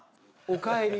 「おかえり」